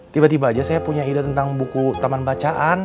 tiba tiba aja saya punya ide tentang buku taman bacaan